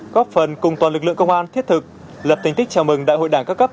góp phần cùng toàn lực lượng công an thiết thực lập thành tích chào mừng đại hội đảng các cấp